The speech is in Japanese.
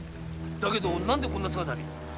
だけど何でこんな姿に。